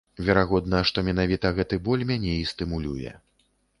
Верагодна, што менавіта гэты боль мяне і стымулюе.